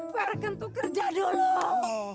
werken tuh kerja dulu